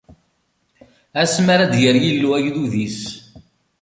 Asmi ara d-yerr Yillu agdud-is.